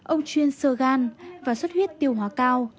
ông chuyên sơ gan và suất huyết tiêu hóa cao